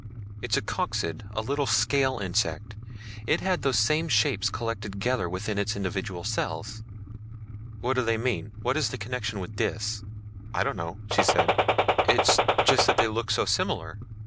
It's a coccid, a little scale insect. It had those same shapes collected together within its individual cells." "What do they mean? What is the connection with Dis?" "I don't know," she said; "it's just that they look so similar.